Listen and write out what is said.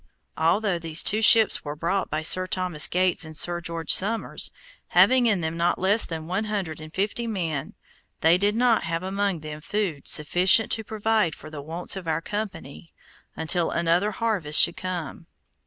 Although these two ships were brought by Sir Thomas Gates and Sir George Somers, having in them not less than one hundred and fifty men, they did not have among them food sufficient to provide for the wants of our company until another harvest should come.